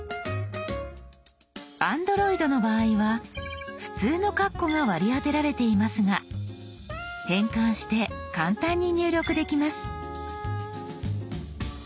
Ａｎｄｒｏｉｄの場合は普通のカッコが割り当てられていますが変換して簡単に入力できます。